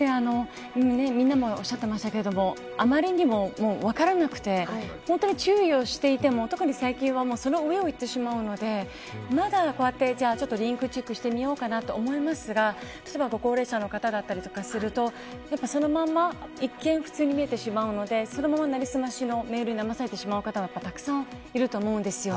みんなもおっしゃってましたけど余りにも分からなくて本当に注意をしていても特に最近はその上をいってしまうのでまだこうやってリンクチェックしてみようかなと思いますが例えばご高齢者の方だったりするとそのまま、一見普通に見えてしまうのでそのままなりすましのメールにだまされてしまう方はたくさんいると思うんです。